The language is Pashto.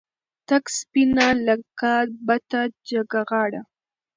تکه سپینه لکه بته جګه غاړه